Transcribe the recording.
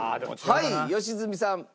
はい良純さん。